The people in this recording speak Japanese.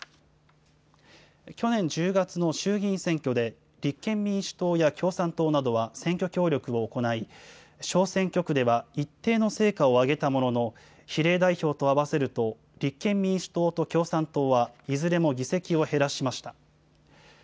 去年１０月の衆議院選挙で、立憲民主党や共産党などは選挙協力を行い、小選挙区では一定の成果を上げたものの、比例代表と合わせると、立憲民主党と共産党はいずれも議席を減らしました。